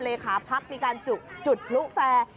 เลขาพักมีการจุดพลุแฟร์